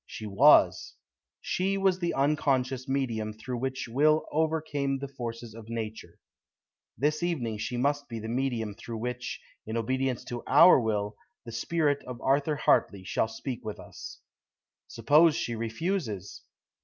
She was. She was the unconscious medium through which will overcame the forces of nature. This evening she must be the medium through which, in obedience to our will, the Spirit of Arthur Hartley shall speak with us." "Suppose she refuses."